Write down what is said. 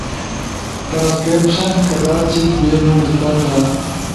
ٹرانسکربشن کدا چیک بینو، ازدا تھا